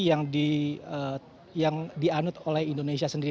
yang dianut oleh indonesia sendiri